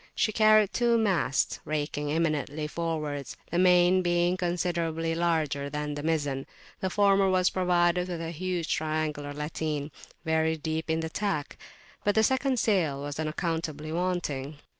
She carried two masts, raking imminently forwards, the main being considerably larger than the mizzen; the former was provided with a huge triangular latine, very deep in the tack, but the second sail was unaccountably wanting.